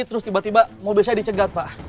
terus tiba tiba mobil saya dicegat pak